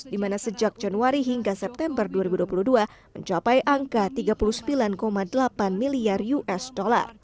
di mana sejak januari hingga september dua ribu dua puluh dua mencapai angka tiga puluh sembilan delapan miliar usd